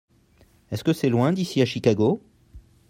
Est-ce que c'est loin d'ici à Chicago ?